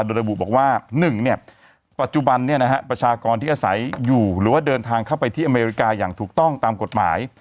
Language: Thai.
โดยระบุบอกว่า๑ปัจจุบันประชากรที่อาศัยอยู่หรือว่าเดินทางเข้าไปที่อเมริกาอย่างถูกต้องตามกฎหมาย